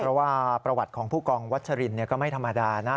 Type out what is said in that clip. เพราะว่าประวัติของผู้กองวัชรินก็ไม่ธรรมดานะ